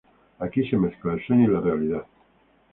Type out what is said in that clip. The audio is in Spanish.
Aquí se mezcla el sueño y la realidad.